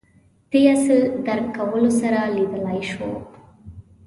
دې اصل درک کولو سره لیدلای شو